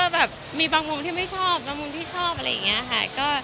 แบบมีบางมุมที่ไม่ชอบบางมุมที่ชอบอะไรอย่างนี้ค่ะ